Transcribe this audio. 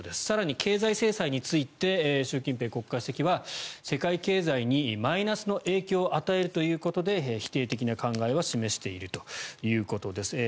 更に経済制裁について習近平国家主席は世界経済にマイナスの影響を与えるということで否定的な考えを示しているということです。